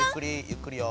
ゆっくりよ。